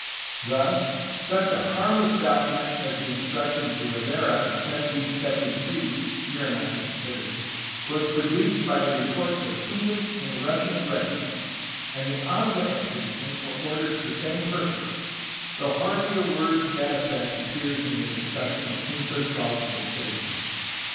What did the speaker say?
Thus, such a harmless document as the instruction to Rivera in 1773 (hereinafter considered) was produced by the reports of English and Russian aggressions, and the Anza expeditions were ordered for the same purpose, though hardly a word to that effect appears in the discussions of juntas called to con sider them.